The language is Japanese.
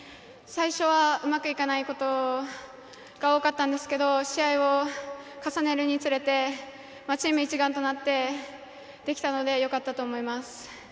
最初はうまくいかないことが多かったんですけど試合を重ねるにつれてチーム一丸となってできたのでよかったと思います。